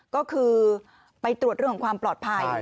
ก็คือไปตรวจเรื่องของความปลอดภัย